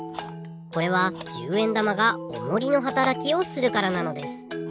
これは１０円玉がおもりのはたらきをするからなのです。